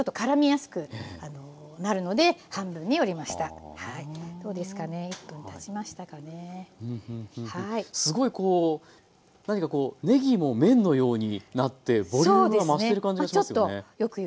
すごいこう何かこうねぎも麺のようになってボリュームが増してる感じがしますね。